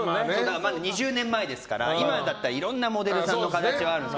２０年前ですから今だったらいろんなモデルさんの形があるから。